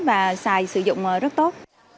và xài sử dụng rất tốt